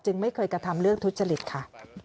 ไม่เคยกระทำเรื่องทุจริตค่ะ